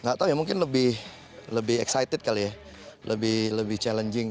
nggak tahu ya mungkin lebih excited kali ya lebih challenging